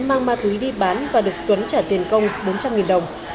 mang ma túy đi bán và được tuấn trả tiền công bốn trăm linh đồng